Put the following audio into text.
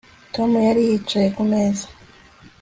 Tom yari yicaye kumeza